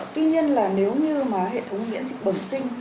tuy nhiên là nếu như mà hệ thống miễn dịch bẩm sinh